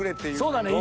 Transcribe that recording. そうだね。